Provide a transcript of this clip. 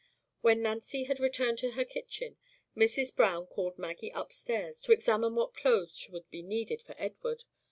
When Nancy had returned to her kitchen, Mrs. Browne called Maggie up stairs, to examine what clothes would be needed for Edward.